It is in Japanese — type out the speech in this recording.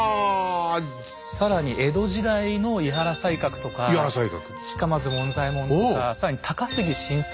更に江戸時代の井原西鶴とか近松門左衛門とか更に高杉晋作